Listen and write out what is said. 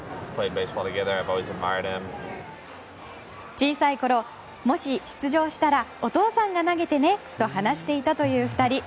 小さいころもし出場したらお父さんが投げてねと話していたという２人。